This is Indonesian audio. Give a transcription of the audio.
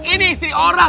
ini istri orang